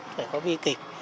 phải có bi kịch